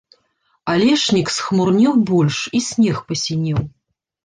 Алешнік схмурнеў больш, і снег пасінеў.